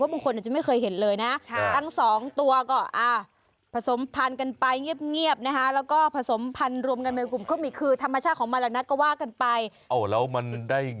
เพราะบางคนจะไม่เคยเห็นเลยนะ